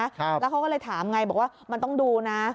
แล้วเขาก็เลยถามไงบอกว่ามันต้องดูนะ